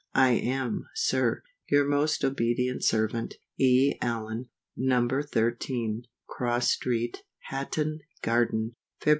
I am, SIR, your most obedient servant, E. ALLEN. No. 13, Cross street, Hatton garden, Feb.